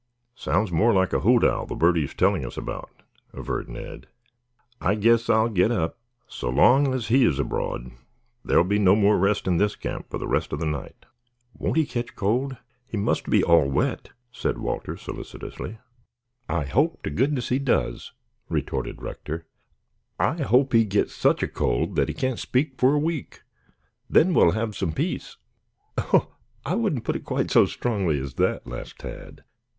"Sounds more like a hoot owl, the bird he was telling us about," averred Ned. "I guess I'll get up. So long as he is abroad there will be no more rest in this camp for the rest of the night." "Won't he catch cold? He must be all wet," said Walter solicitously. "I hope to goodness he does," retorted Rector. "I hope he gets such a cold that he can't speak for a week. Then we'll have some peace." "Oh, I wouldn't put it quite so strongly as that," laughed Tad.